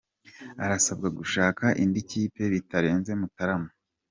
arasabwa gushaka indi kipe bitarenze Mutarama